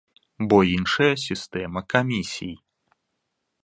Бо іншая сістэма камісій.